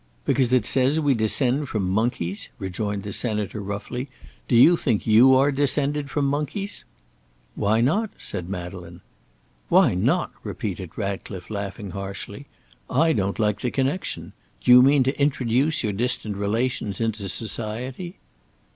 "Because it says we descend from monkeys?" rejoined the Senator, roughly. "Do you think you are descended from monkeys?" "Why not?" said Madeleine. "Why not?" repeated Ratcliffe, laughing harshly. "I don't like the connection. Do you mean to introduce your distant relations into society?"